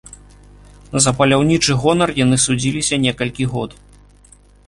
За паляўнічы гонар яны судзіліся некалькі год.